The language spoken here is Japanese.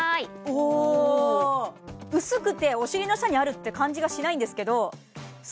おお薄くてお尻の下にあるって感じがしないんですけど